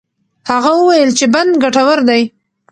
هغه وویل چې بند ګټور دی.